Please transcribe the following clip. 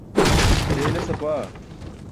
je hiles apaa